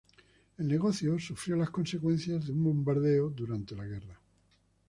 El negocio sufrió las consecuencias de un bombardeo durante la guerra.